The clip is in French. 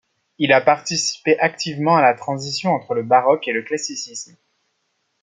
Il a participé activement à la transition entre le baroque et le classicisme.